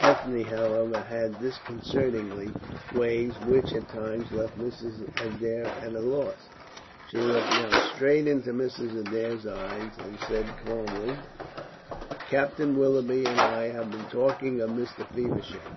Ethne, however, had disconcerting ways which at times left Mrs. Adair at a loss. She looked now straight into Mrs. Adair's eyes and said calmly: "Captain Willoughby and I have been talking of Mr. Feversham."